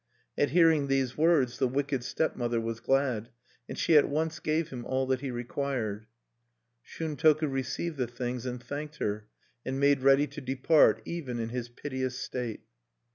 At hearing these words, the wicked stepmother was glad; and she at once gave him all that he required. Shuntoku received the things, and thanked her, and made ready to depart, even in his piteous state.